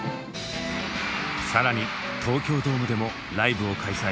更に東京ドームでもライブを開催。